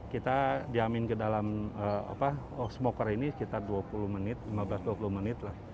kita diamin ke dalam smoker ini sekitar dua puluh menit lima belas dua puluh menit lah